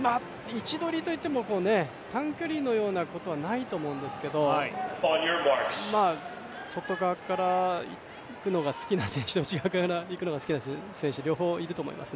位置取りといっても短距離のようなことはないと思うんですけども外側から行くのが好きな選手と内側からいくのが好きな選手両方いると思います。